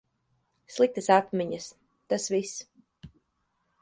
Sliktas atmiņas, tas viss.